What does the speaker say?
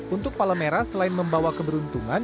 untuk palemera selain membawa keberuntungan